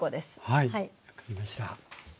はい分かりました。